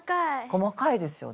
細かいですよね。